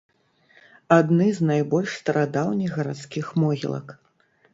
Адны з найбольш старадаўніх гарадскіх могілак.